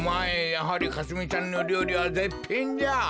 やはりかすみちゃんのりょうりはぜっぴんじゃ。